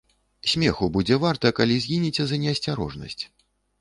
Смеху будзе варта, калі згінеце за неасцярожнасць.